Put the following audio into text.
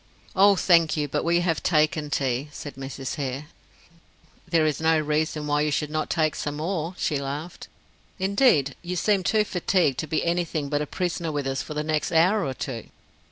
"Oh thank you, but we have taken tea," said Mrs. Hare. "There is no reason why you should not take some more," she laughed. "Indeed, you seem too fatigued to be anything but a prisoner with us for the next hour or two."